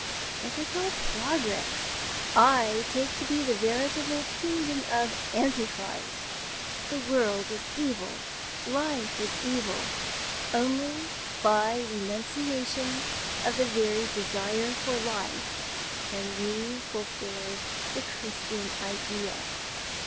What they call 'Progress,' I take to be the veritable Kingdom of Antichrist. The world is evil, life is evil; only by renunciation of the very desire for life can we fulfil the Christian idea.